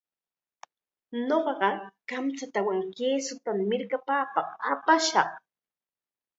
Ñuqaqa kamchatawan kisutam mirkapapaq apashaq.